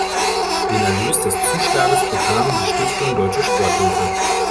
Den Erlös des Zuschlags bekam die Stiftung Deutsche Sporthilfe.